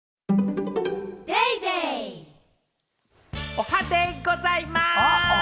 おはデイございます！